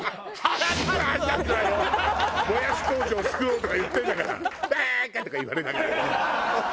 「もやし工場を救おう」とか言ってるんだから「バーカ！」とか言われながら。